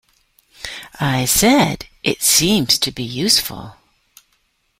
I said, "It seems to be useful.